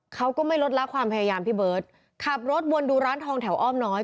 เขาก็ไม่ลดละความพยายามพี่เบิร์ตขับรถวนดูร้านทองแถวอ้อมน้อย